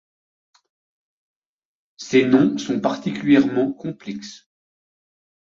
Ses noms sont particulièrement complexes.